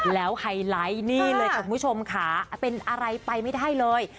แล้วไฮไลท์นี่เลยค่ะคุณผู้ชมค่ะเป็นอะไรไปไม่ได้เลย